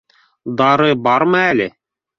— Дары бармы әле?